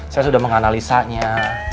saya sudah menganalisanya